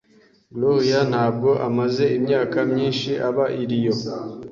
Gloria ntabwo amaze imyaka myinshi aba i Rio.